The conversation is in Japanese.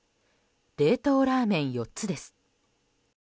冷凍ラーメン４つです。